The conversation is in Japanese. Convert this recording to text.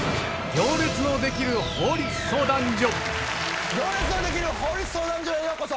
『行列のできる法律相談所』へようこそ。